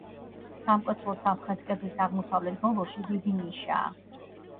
სამკვეთლოს სამხრეთ კედლის აღმოსავლეთ ბოლოში დიდი ნიშაა.